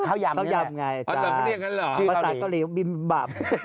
เข้ายำนี่แหละ